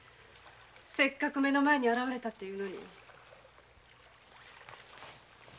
せっかく目の前に現れたというのに。